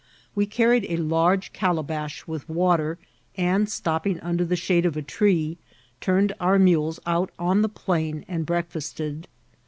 We carried a large calabash with water, and stopping under the shade of a tree, turned our mules out on the plain and break £G»ted.